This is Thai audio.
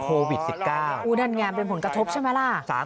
อู่นั่นงามเป็นผลกระทบใช่ไหมล่ะ